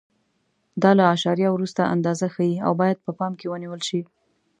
دا له اعشاریه وروسته اندازه ښیي او باید په پام کې ونیول شي.